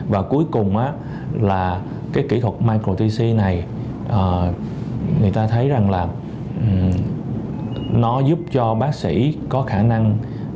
và cuối cùng á cái kỹ thuật micro tc này người ta thấy rằng là nó giúp cho bác sĩ có khả năng